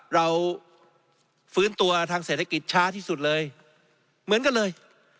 เราฟื้นตัวทางเศรษฐกิจช้าที่สุดเลยเหมือนกันเลย